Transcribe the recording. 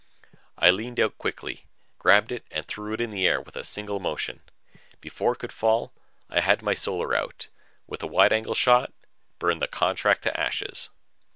I leaned out quickly, grabbed it and threw it into the air with a single motion. Before it could fall, I had my Solar out and, with a wide angle shot, burned the contract to ashes.